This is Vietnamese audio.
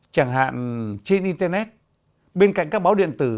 chẳng hạn trên internet